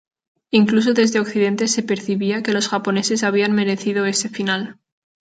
Incluso desde occidente se percibía que los japoneses habían merecido ese final.